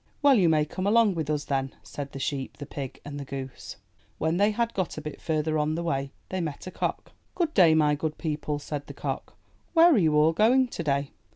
"Well, you may come along with us then,'* said the sheep, the pig, and the goose. When they had got a bit further on the way, they met a cock. '^Good day, my good people," said the cock. "Where are you all going to day?"